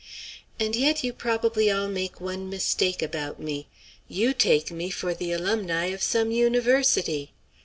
And yet you probably all make one mistake about me: you take me for the alumni of some university.